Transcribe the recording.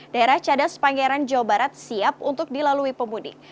daerah cadas pangeran jawa barat siap untuk dilalui pemudik